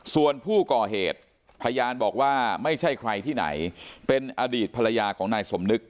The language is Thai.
ส่วนผู้ก่อเหตุพยานบอกว่าไม่ใช่ใครที่ไหนเป็นอดีตภรรยาของนายสมนึก